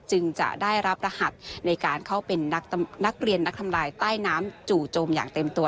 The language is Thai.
จึงจะได้รับรหัสในการเข้าเป็นนักเรียนนักทำลายใต้น้ำจู่โจมอย่างเต็มตัว